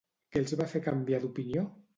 Què els va fer canviar d'opinió?